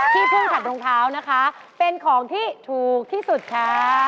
ที่เพิ่งถัดรองเท้านะคะเป็นของที่ถูกที่สุดค่ะ